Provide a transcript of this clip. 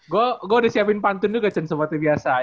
gue udah siapin pantun juga seperti biasa